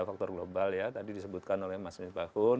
faktor global ya tadi disebutkan oleh mas misbahun